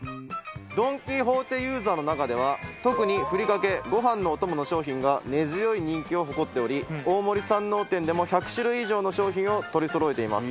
ドン・キホーテユーザーの中では特にふりかけご飯のお供の商品が根強い人気を誇っており大森山王店でも１００種類以上の商品を取りそろえています。